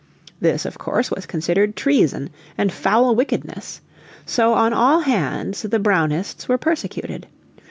This of course was considered treason and foul wickedness. So on all hands the Brownists were persecuted.